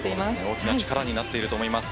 大きな力になっていると思います。